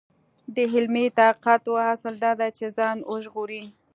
د علمي تحقیقاتو اصل دا دی چې ځان وژغوري.